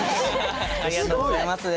ありがとうございます。